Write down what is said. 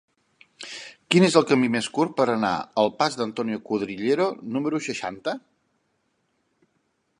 Quin és el camí més curt per anar al pas d'Antonio Cuadrillero número seixanta?